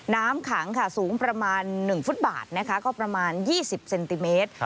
น้ำขังค่ะสูงประมาณ๑ฟุตบาทนะคะก็ประมาณ๒๐เซนติเมตร